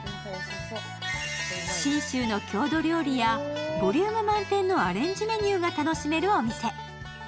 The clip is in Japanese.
信州の郷土料理やボリューム満点のアレンジメニューが楽しめるお店。